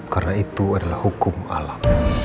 karena itu adalah hukum alam